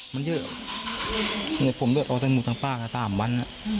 มันเยอะผมเลือกเอาสังบุตรทางฝ้า๓วัน